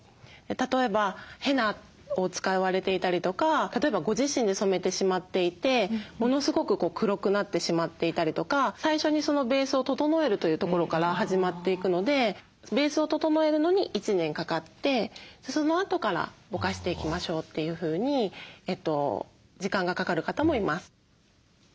例えばヘナを使われていたりとか例えばご自身で染めてしまっていてものすごく黒くなってしまっていたりとか最初にベースを整えるというところから始まっていくのでベースを整えるのに１年かかってそのあとからぼかしていきましょうというふうに時間がかかる方もいます。